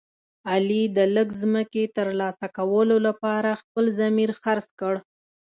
علي د لږ ځمکې تر لاسه کولو لپاره خپل ضمیر خرڅ کړ.